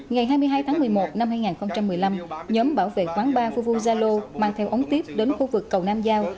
ngày hai mươi hai tháng một mươi một năm hai nghìn một mươi năm nhóm bảo vệ quán bar fuvu zalo mang theo ống tiếp đến khu vực cầu nam giao